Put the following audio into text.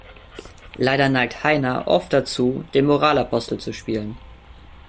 Leider neigt Heiner oft dazu, den Moralapostel zu spielen.